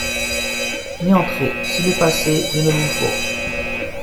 N’y entrez ; si le passez, ie ne vous faulx !